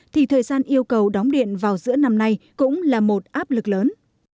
thì thời gian yêu cầu đóng điện vào giữa năm nay cũng là một áp lực lớn